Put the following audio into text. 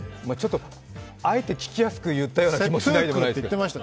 あえて聞きやすく言ったような気もしますが。